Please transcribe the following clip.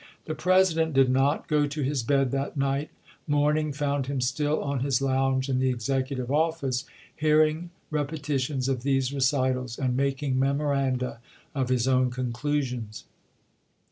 The President did not go to his bed that night ; morning found him still on his lounge in the executive office, hearing repe titions of these recitals and making memoranda of his own conclusions.